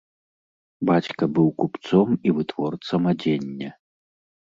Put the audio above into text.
Бацька быў купцом і вытворцам адзення.